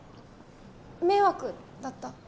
迷惑だった？